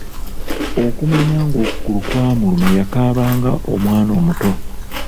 Okumanya ng'okugulu kwamuluma yakaabanga ng'omwana omuto.